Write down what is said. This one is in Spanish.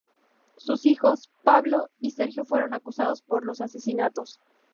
Sus hijos, Pablo y Sergio fueron acusados por los asesinatos.